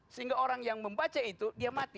sehingga orang yang membaca itu dia mati